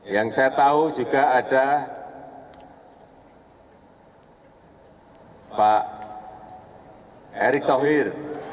yang saya tahu juga ada pak erick thohir